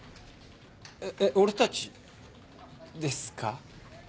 えっ俺たちですか？